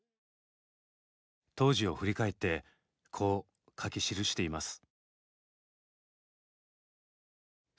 当時を振り返ってこう書き記しています。